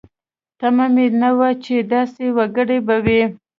تمه مې نه وه چې داسې وګړي به وي.